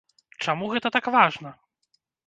Чаму гэта так важна?